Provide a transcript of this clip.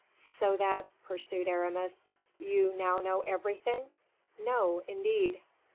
"So that," pursued Aramis, "you now know everything?" "No, indeed."